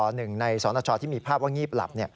หนึ่งในสนชที่มีภาพว่างีบหลับ